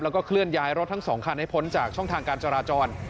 แล้วก็เคลื่อนย้ายรถทั้ง๒คันให้พ้นจากช่องทางการจราจร